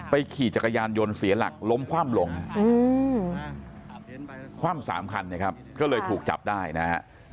ขี่จักรยานยนต์เสียหลักล้มคว่ำลงคว่ำ๓คันนะครับก็เลยถูกจับได้นะฮะ